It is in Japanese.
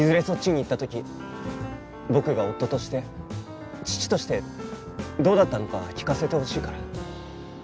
そっちに行った時僕が夫として父としてどうだったのか聞かせてほしいから。